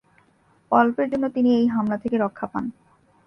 অল্পের জন্য তিনি এই হামলা থেকে রক্ষা পান।